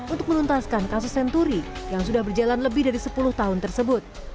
untuk menuntaskan kasus senturi yang sudah berjalan lebih dari sepuluh tahun tersebut